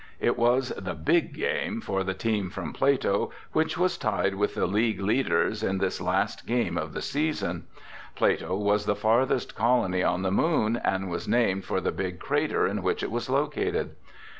It was the big game for the team from Plato, which was tied with the league leaders in this last game of the season. Plato was the farthest colony on the Moon and was named for the big crater in which it was located.